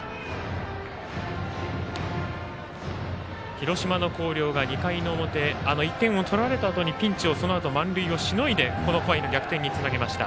広島の広陵が２回の表１点を取られたあとにピンチの満塁をしのいでこの回の逆転につなげました。